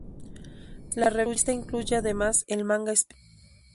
La revista incluye además el manga especial.